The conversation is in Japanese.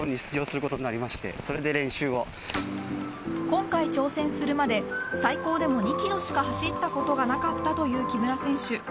今回挑戦するまで最高でも２キロしか走ったことがなかったという木村選手。